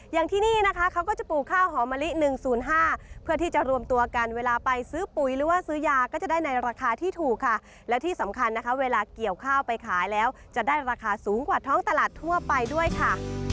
อย่างที่นี่นะคะเขาก็จะปลูกข้าวหอมะลิ๑๐๕เพื่อที่จะรวมตัวกันเวลาไปซื้อปุ๋ยหรือว่าซื้อยาก็จะได้ในราคาที่ถูกค่ะและที่สำคัญนะคะเวลาเกี่ยวข้าวไปขายแล้วจะได้ราคาสูงกว่าท้องตลาดทั่วไปด้วยค่ะ